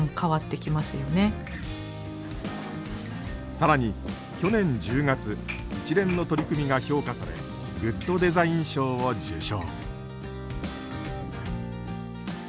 更に去年１０月一連の取り組みが評価されグッドデザイン賞を受賞。